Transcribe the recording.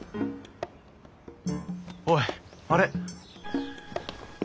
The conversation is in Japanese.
おいあれ。